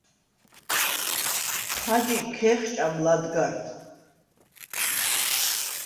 ხაჯი ქე̄ხჭამ ლადგარდ.